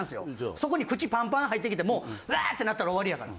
そこに口パンパン入ってきてもうウワーッてなったら終わりやから。